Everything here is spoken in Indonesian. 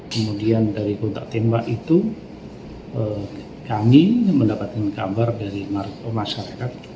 kemudian dari kontak tembak itu kami mendapatkan kabar dari masyarakat